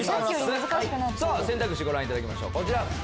選択肢ご覧いただきましょう。